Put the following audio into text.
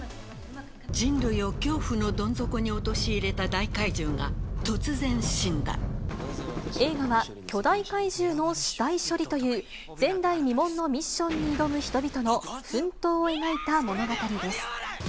人類を恐怖のどん底に陥れた映画は、巨大怪獣の死体処理という、前代未聞のミッションに挑む人々の奮闘を描いた物語です。